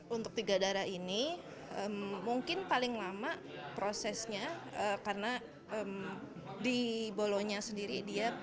untuk tiga darah ini mungkin paling lama prosesnya karena di bolonya sendiri